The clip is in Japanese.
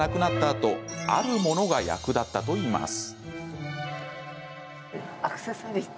あとあるものが役立ったといいます。